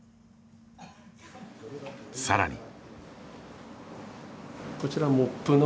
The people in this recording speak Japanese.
さらに。